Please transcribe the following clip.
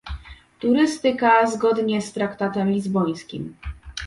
Turystyka zgodnie z traktatem lizbońskim